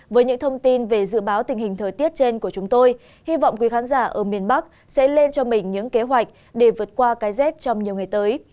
với những thông tin về dự báo tình hình thời tiết trên của chúng tôi hy vọng quý khán giả ở miền bắc sẽ lên cho mình những kế hoạch để vượt qua cái z trong nhiều ngày tới